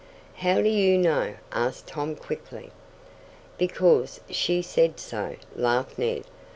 "How do you know?" asked Tom quickly. "Because she said so," laughed Ned.